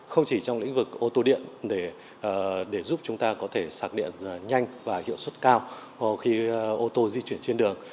không chỉ trong lĩnh vực ô tô điện để giúp chúng ta có thể sạc điện nhanh và hiệu suất cao khi ô tô di chuyển trên đường